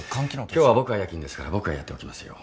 今日は僕が夜勤ですから僕がやっておきますよ。